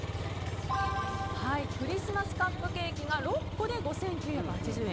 クリスマスカップケーキが６個で５９８０円。